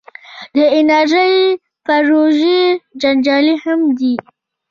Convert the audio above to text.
د انرژۍ پروژې جنجالي هم دي.